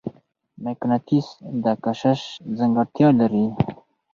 مقناطیس د کشش ځانګړتیا لري.